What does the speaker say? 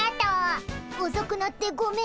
おそくなってごめん。